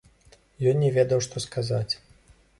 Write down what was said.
Ён не ведаў, што сказаць.